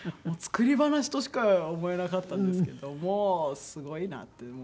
作り話としか思えなかったんですけどもうすごいなって。